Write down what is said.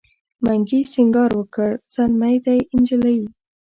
منګي سینګار وکړ زلمی دی نجلۍ